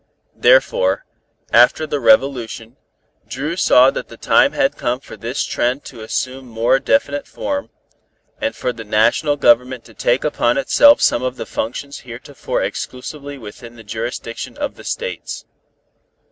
Therefore, after the Revolution, Dru saw that the time had come for this trend to assume more definite form, and for the National Government to take upon itself some of the functions heretofore exclusively within the jurisdiction of the States.